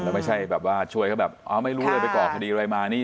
แล้วไม่ใช่แบบว่าช่วยเขาแบบไม่รู้เลยไปก่อคดีอะไรมานี่